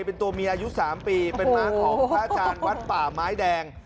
เป็นตัวเมียอายุ๓ปีเป็นม้าของพระอาจารย์วัดป่าไม้แดง